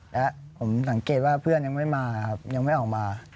และผมสังเกตว่าเพื่อนยังไม่มาครับยังไม่ออกมา